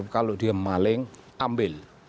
kalau dia maling ambil